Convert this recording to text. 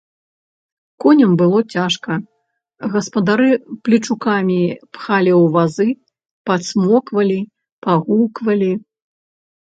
Коням было цяжка, гаспадары плечукамі пхалі ў вазы, пацмоквалі, пагуквалі.